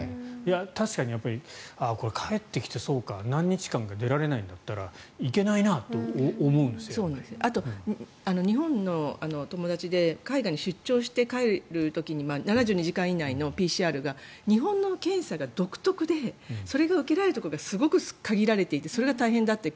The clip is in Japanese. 確かに帰ってきてそうか何日間か出られないんだったらあと日本の友達で海外に出張して帰る時に７２時間以内のＰＣＲが日本の検査が独特でそれが受けられるところがすごく限られていてそれが大変だって。